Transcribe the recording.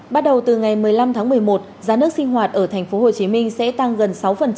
bắt đầu từ ngày một mươi năm tháng một mươi một giá nước sinh hoạt ở tp hcm sẽ tăng gần sáu